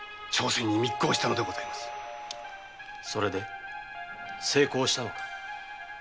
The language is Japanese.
それで成功したのか？